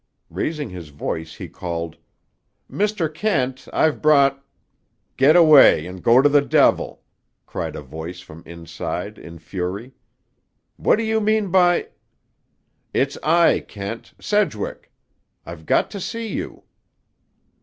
Raising his voice he called, "Mr. Kent, I've brought—" "Get away and go to the devil!" cried a voice from inside in fury. "What do you mean by—" "It's I, Kent, Sedgwick. I've got to see you."